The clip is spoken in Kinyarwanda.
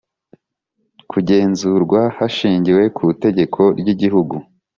kugenzurwa hashingiwe ku itegeko ry’i gihugu